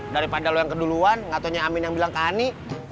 daripada lo yang keduluan gak tanya amin yang bilang ke ani